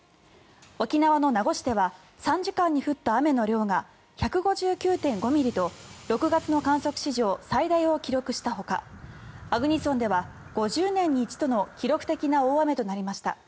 沖縄の名護市では３時間に降った雨の量が１５９．５ミリと６月の観測史上最大を記録したほか粟国村では５０年に一度の記録的な大雨となりました。